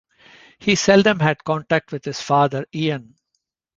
He seldom had contact with his father Ian.